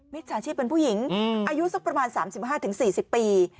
จฉาชีพเป็นผู้หญิงอายุสักประมาณ๓๕๔๐ปี